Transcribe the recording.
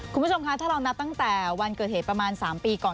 คุณผู้ชมคะถ้าเรานับตั้งแต่วันเกิดเหตุประมาณ๓ปีก่อน